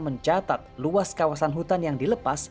mencatat luas kawasan hutan yang dilepas